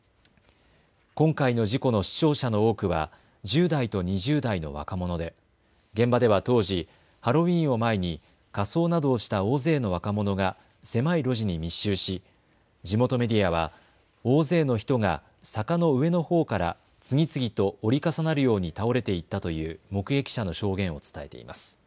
今回の事故の死傷者の多くは１０代と２０代の若者で現場では当時、ハロウィーンを前に仮装などをした大勢の若者が狭い路地に密集し地元メディアは大勢の人が坂の上のほうから次々と折り重なるように倒れていったという目撃者の証言を伝えています。